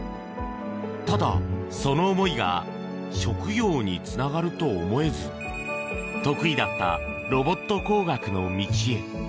ただ、その思いが職業につながると思えず得意だったロボット工学の道へ。